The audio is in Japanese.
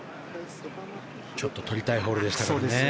ちょっと取りたいホールでしたけどね。